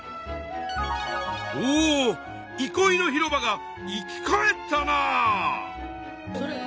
おいこいの広場が生き返ったなあ。